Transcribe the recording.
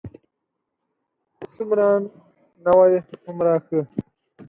څومره نوی، هومره ښه.